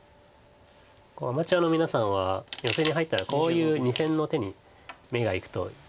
アマチュアの皆さんはヨセに入ったらこういう２線の手に目がいくといいですよね。